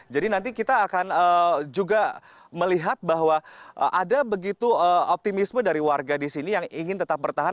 jadi nanti kita akan juga melihat bahwa ada begitu optimisme dari warga di sini yang ingin tetap bertahan